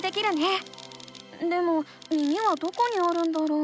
でも耳はどこにあるんだろう？